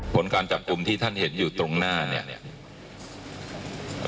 ผลการจับกลุ่มที่ท่านเห็นอยู่ตรงหน้าเนี่ย